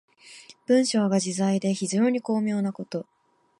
文章が自在で非常に巧妙なこと。